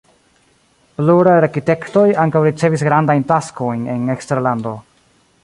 Pluraj arkitektoj ankaŭ ricevis grandajn taskojn en eksterlando.